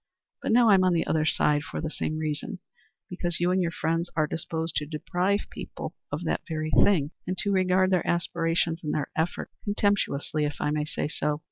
But now I'm on the other side for the same reason because you and your friends are disposed to deprive people of that very thing, and to regard their aspirations and their efforts contemptuously, if I may say so.